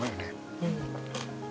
うん。